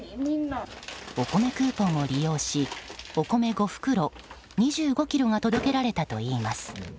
おこめクーポンを利用しお米５袋２５ｋｇが届けられたといいます。